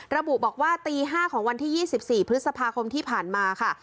ระบุบอกว่าตี๕ของวันที่๒๔พฤษภาคมที่ผ่านมาค่ะ